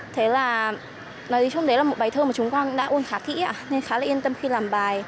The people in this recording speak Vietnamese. thế là nói chung đấy là một bài thơ mà chúng con đã uống khá thỹ nên khá là yên tâm khi làm bài